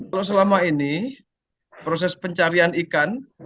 kalau selama ini proses pencarian ikan